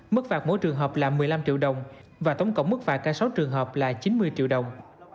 mức phạt mỗi trường hợp là một mươi năm triệu đồng và tổng cộng mức phạt cả sáu trường hợp là chín mươi triệu đồng